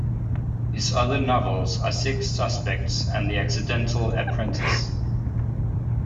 His other novels are "Six Suspects" and "The Accidental Apprentice".